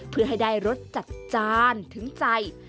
เพื่อให้ได้รสจัดจานถึงใจ